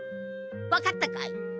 分かったかい？